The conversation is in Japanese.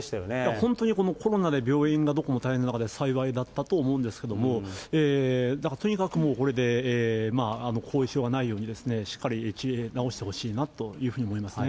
本当にこのコロナで、病院がどこも大変な中で幸いだったと思うんですけれども、だからとにかくもう、これで後遺症がないようにしっかり治してほしいなというふうに思いますね。